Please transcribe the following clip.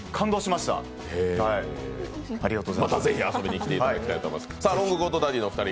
またぜひ遊びに来ていただきたいと思います。